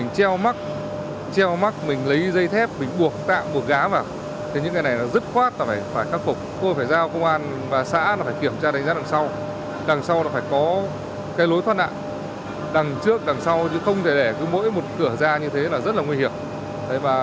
có lối thoát nạn đằng trước đằng sau không thể để mỗi một cửa ra như thế là rất nguy hiểm